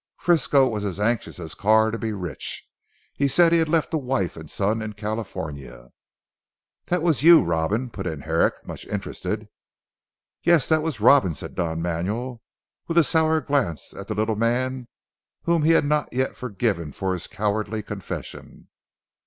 Frisco was as anxious as Carr to be rich. He said he had left a wife and son in California." "That was you Robin," put in Herrick much interested. "Yes. That was Robin," said Don Manuel with a sour glance at the little man whom he had not yet forgiven for his cowardly confession.